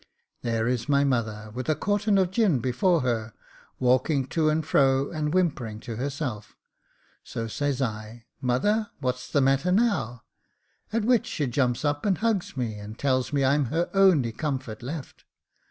There is my mother with a quartern of gin before her, walking to and fro, and whimpering to herself ; so says I, ' mother, what's the matter now ?' at which she jumps up and hugs me, and tells me I'm her only comfort left.